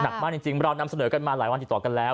มากจริงเรานำเสนอกันมาหลายวันติดต่อกันแล้ว